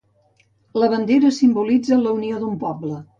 La bandera simbolitza la unió d’un poble.